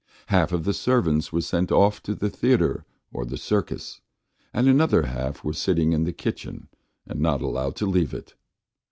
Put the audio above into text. Half of the servants were sent off to the theatre or the circus; the other half were sitting in the kitchen and not allowed to leave it.